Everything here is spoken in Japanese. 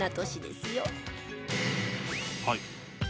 「はい」